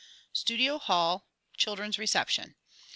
Studio Hall — Children's Reception.